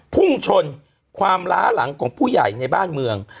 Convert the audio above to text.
พุ่งชนความล้าหลังของผู้ใหญ่ในบ้านเมือง